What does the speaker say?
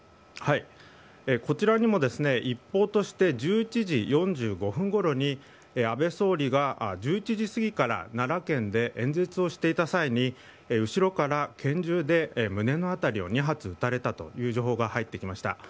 こちらにも、一報として１１時４５分ごろに安倍総理が１１過ぎから奈良県で演説をしていた際に後ろから拳銃で胸の辺りを２発撃たれたという情報が入ってきました。